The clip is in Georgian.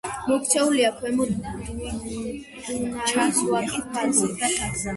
მოქცეულია ქვემო დუნაის ვაკის ფარგლებში.